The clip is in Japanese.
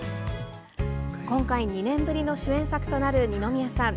今回、２年ぶりの主演作となる二宮さん。